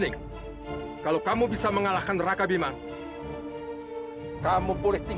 aku harap kamu bisa untuk buat sesuatu untuk kuber langgeng